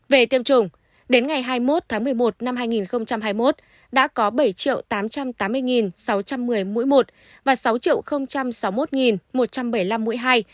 về tiêm chủng đến ngày hai mươi một tháng một mươi một năm hai nghìn hai mươi một đã có bảy tám trăm tám mươi sáu trăm một mươi mũi một và sáu sáu mươi một một trăm bảy mươi năm mũi hai